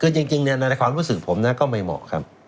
คือจริงในความรู้สึกผมนะก็ไม่เหมาะครับ